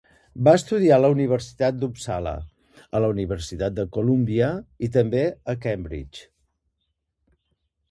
Va estudiar a la Universitat d'Uppsala, a la Universitat de Colúmbia, i també a Cambridge.